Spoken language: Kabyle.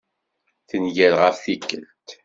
Tenger ɣef tikelt.